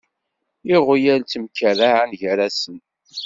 Iɣyal ttemkerraɛen gar-sen.